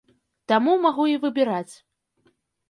Таму магу і выбіраць.